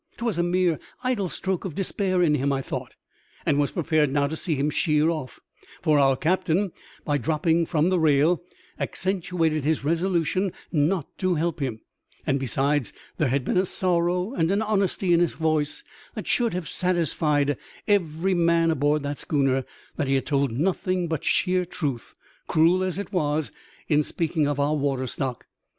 'Twas a mere idle stroke of despair in him, I thought ; and was prepared now to see him sheer off, for our captain, by dropping from the rail, accentuated his resolution not to help him; and, besides, there had been a sorrow and an honesty in his voice that should have satisfied every man aboard the schooner that he had told nothing but sheer truth, cruel as it was, in speaking of our water stock.